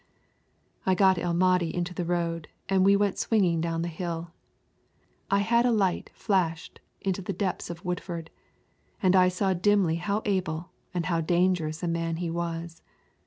I got El Mahdi into the road and we went swinging down the hill. I had a light flashed into the deeps of Woodford, and I saw dimly how able and how dangerous a man he was.